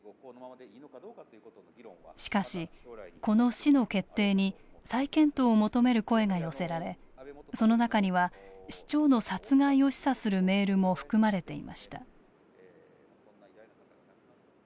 しかし、この市の決定に再検討を求める声が寄せられその中には市長の殺害を示唆するメールも含まれていました。